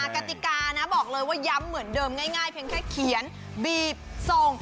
กติกานะบอกเลยว่าย้ำเหมือนเดิมง่ายเพียงแค่เขียนบีบส่ง